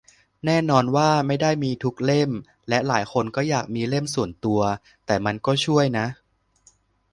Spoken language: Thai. แน่นอนว่าไม่ได้มีทุกเล่ม และหลายคนก็อยากมีเล่มส่วนตัว แต่มันก็ช่วยนะ